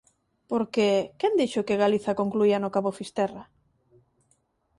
Porque, quen dixo que Galiza concluía no cabo Fisterra?